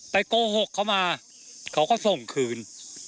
โกหกเขามาเขาก็ส่งคืน